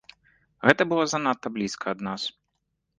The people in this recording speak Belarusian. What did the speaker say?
Гэта было занадта блізка ад нас.